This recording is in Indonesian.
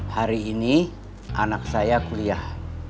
hari ini anak saya kuliah